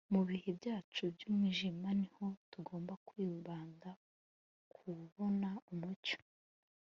mu bihe byacu by'umwijima niho tugomba kwibanda ku kubona umucyo